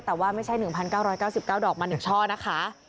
แต่ว่าไม่ใช่๑๙๙๙ดอกมา๑ช่อนะคะ